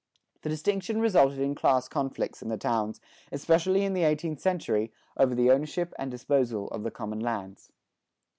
The distinction resulted in class conflicts in the towns, especially in the eighteenth century,[75:1] over the ownership and disposal of the common lands.